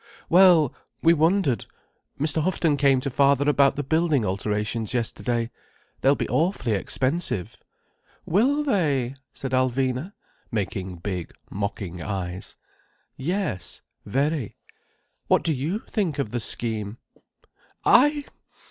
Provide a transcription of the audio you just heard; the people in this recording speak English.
Well, we wondered. Mr. Houghton came to father about the building alterations yesterday. They'll be awfully expensive." "Will they?" said Alvina, making big, mocking eyes. "Yes, very. What do you think of the scheme?" "I?